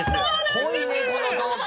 濃いねこの同期。